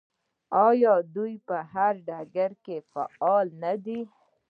آیا دوی په هر ډګر کې فعالې نه دي؟